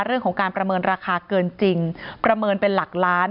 เรื่องของการประเมินราคาเกินจริงประเมินเป็นหลักล้าน